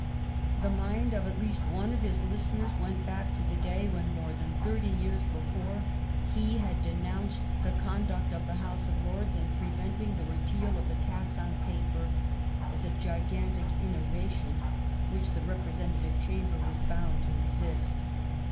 The mind of at least one of his listeners went back to the day when, more than thirty years be fore, he had denounced the conduct of the House of Lords, in preventing the repeal of the tax on paper, as a " gigantic innovation," which the Rep resentative Chamber was bound to resist.